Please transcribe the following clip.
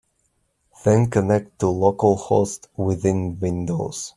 Then connect to localhost within Windows.